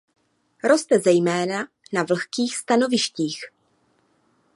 Roste zejména na vlhkých stanovištích.